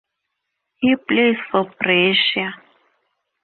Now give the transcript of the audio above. He plays for Brescia.